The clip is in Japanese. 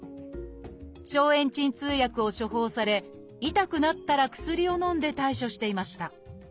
消炎鎮痛薬を処方され痛くなったら薬をのんで対処していました。